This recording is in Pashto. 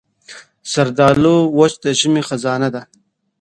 زردالو وچ د ژمي خزانه ده.